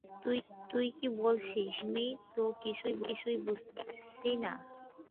তুই কি বলছিস, আমি তো কিছুই বুঝছি না।